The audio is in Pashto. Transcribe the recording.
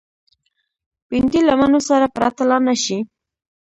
بېنډۍ له مڼو سره پرتله نشي